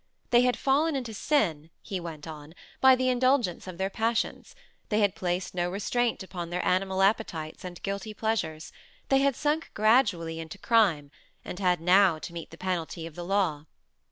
They had fallen into sin, he went on, by the indulgence of their passions; they had placed no restraint upon their animal appetites and guilty pleasures; they had sunk gradually into crime, and had now to meet the penalty of the law.